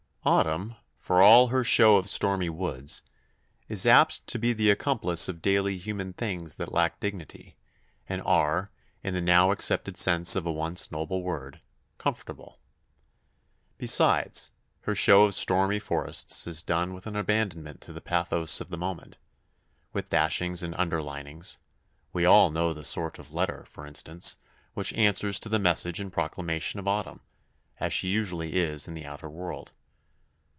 Autumn, for all her show of stormy woods, is apt to be the accomplice of daily human things that lack dignity, and are, in the now accepted sense of a once noble word, comfortable. Besides, her show of stormy forests is done with an abandonment to the pathos of the moment, with dashings and underlinings we all know the sort of letter, for instance, which answers to the message and proclamation of Autumn, as she usually is in the outer world.